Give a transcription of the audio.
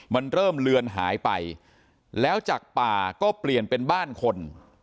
มันเริ่มเลือนหายไปแล้วจากป่าก็เปลี่ยนเป็นบ้านคน